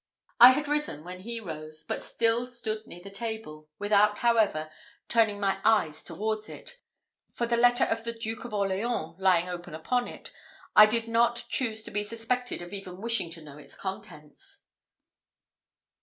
I had risen when he rose, but still stood near the table, without, however, turning my eyes towards it; for the letter of the Duke of Orleans lying open upon it, I did not choose to be suspected of even wishing to know its contents.